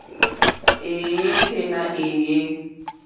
Èéyɛ́ tɛ́ nà èéyé.